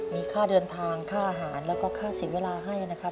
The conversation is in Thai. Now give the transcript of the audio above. มีค่าเดินทางค่าอาหารแล้วก็ค่าเสียเวลาให้นะครับ